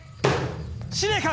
司令官！